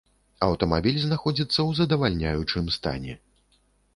Аўтамабіль знаходзіцца ў задавальняючым стане.